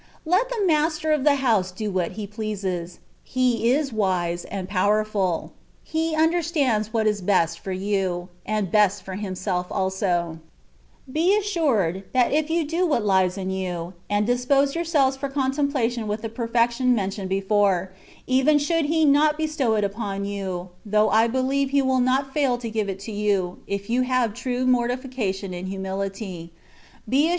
* Let the master of the house do what he pleases; He is wise and powerful; He understands what is best for you, and best for himself also. Be assured, that if you do what hes in you, and dispose yourselves for contempla tion with the perfection mentioned before, even should he not bestow it upon you (though I be heve He will not fail to give it to you, if you have true mortification and himiility), be assured *" Gentfl humildad seri querer vosotras eacoger," &c.